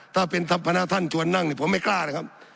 ถ้าเป็นทัพพนักท่านชวนนั่งเนี่ยผมไม่กล้านะครับ